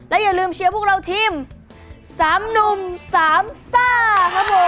อย่าลืมเชียร์พวกเราทีม๓หนุ่มสามซ่าครับผม